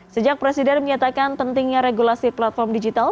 sejak presiden menyatakan pentingnya regulasi platform digital